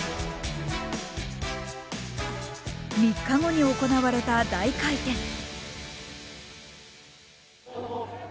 ３日後に行われた大回転。